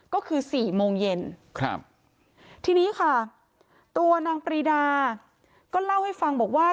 ก็คือสี่โมงเย็นครับทีนี้ค่ะตัวนางปรีดาก็เล่าให้ฟังบอกว่า